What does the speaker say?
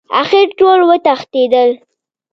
اخر ټول وتښتېدل.